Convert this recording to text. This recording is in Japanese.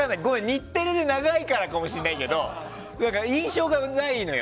日テレで長いからかもしれないけど印象がないのよ。